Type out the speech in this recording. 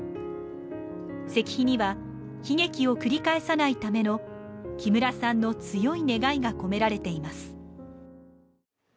石碑には、悲劇を繰り返さないための木村さんの強い願いが込められています。